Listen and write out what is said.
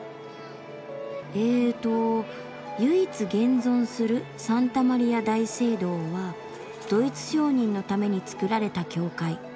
ええと「唯一現存するサンタマリア大聖堂はドイツ商人のために造られた教会。